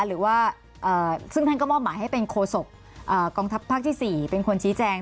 หรือว่าซึ่งท่านก็มอบหมายให้เป็นโคศกกองทัพภาคที่๔เป็นคนชี้แจง